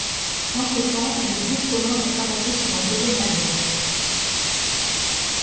Entretemps, le groupe commence à travailler sur un deuxième album.